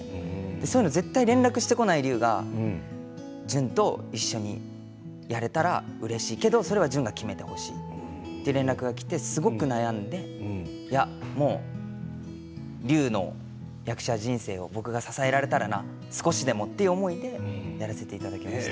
そういうのを絶対連絡してこない隆が「淳と一緒にやれたらうれしいけどそれは淳が決めてほしい」って連絡が来てすごく悩んで「いやもう隆の役者人生を僕が支えられたらな少しでも」って思いでやらせていただきました。